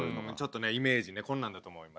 イメージこんなんだと思います。